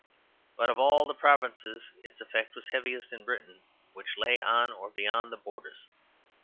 But of all the provinces its effect was heaviest in Britain, which lay on or beyond the borders.